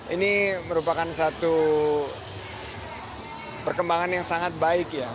ini merupakan satu perkembangan yang sangat baik ya